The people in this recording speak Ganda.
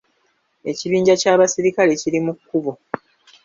Ekibinja ky'abasirikale kiri mu kkubo.